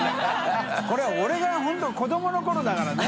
これは俺が本当子どもの頃だからね。）